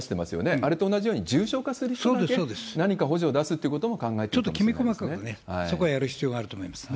あれと同じように、重症化する人だけ、何か補助を出すってこともちょっときめ細かくね、そこはやる必要があると思いますね。